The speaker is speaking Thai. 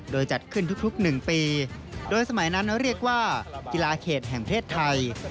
โดยจัดขึ้นทุก๑ปีโดยสมัยนั้นเรียกว่ากีฬาเขตแห่งประเทศไทย